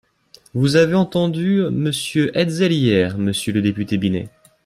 Vous avez entendu Monsieur Hetzel hier, monsieur le député Binet